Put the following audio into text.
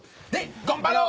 頑張ろう！